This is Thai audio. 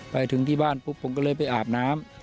ไปถึงที่บ้านปุ๊บผมก็เลยไปอาบน้ำ